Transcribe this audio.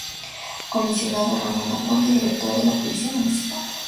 Comisionado Ramón Aponte, Director de Policía Municipal.